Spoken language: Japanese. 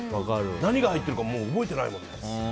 何が入ってるかもう覚えてないもん。